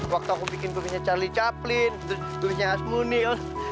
waktu aku bikin kumisnya charlie chaplin terus tulisnya asmuny